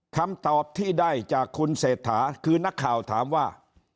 คำตอบที่ได้จากคุณเศรษฐาคือนักข่าวถามว่า